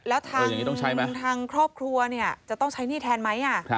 แล้วทางครอบครัวจะต้องใช้หนี้แทนไหม